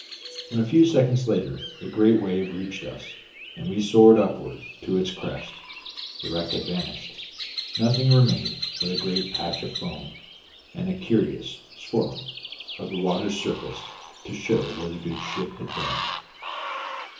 When, a few seconds later, the great wave reached us and we soared upward to its crest, the wreck had vanished, nothing remaining but a great patch of foam and a curious swirling of the water's surface to show where the good ship had been.